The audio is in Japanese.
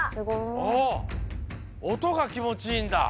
あおとがきもちいいんだ。